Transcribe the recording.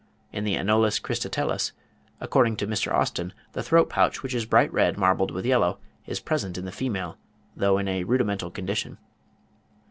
In the Anolis cristatellus, according to Mr. Austen, the throat pouch, which is bright red marbled with yellow, is present in the female, though in a rudimental condition.